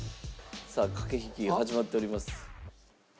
さあ駆け引きが始まっております。